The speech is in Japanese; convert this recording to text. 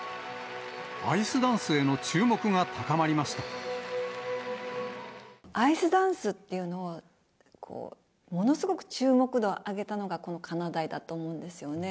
アイスダンスへの注目が高まりまアイスダンスっていうのを、ものすごく注目度を上げたのが、このかなだいだと思うんですよね。